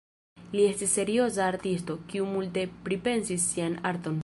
Li estis serioza artisto, kiu multe pripensis sian arton.